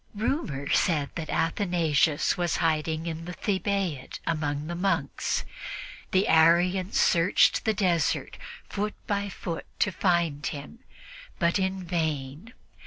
Rumor said that Athanasius was in hiding in the Thebaid among the monks. The Arians searched the desert foot by foot to find him, but in vain.